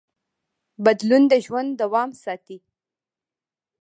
بدلون د ژوند دوام ساتي.